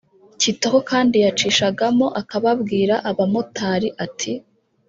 Kitoko kandi yacishagamo akababwira abamotari ati